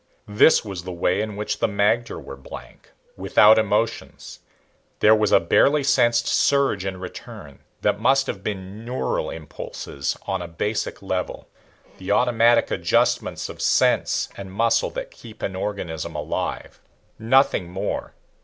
This was the way in which the magter were blank, without emotions. There was a barely sensed surge and return that must have been neural impulses on a basic level the automatic adjustments of nerve and muscle that keep an organism alive. Nothing more.